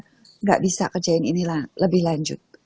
tidak bisa kerjain ini lebih lanjut